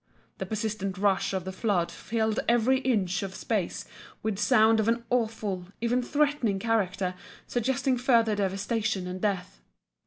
The persistent rush of the flood filled every inch of space with sound of an awful, even threatening character, suggesting further devastation and death.